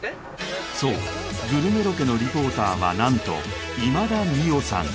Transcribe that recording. そうグルメロケのリポーターは何と今田美桜さん